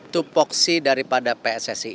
tupoksi daripada pssi ini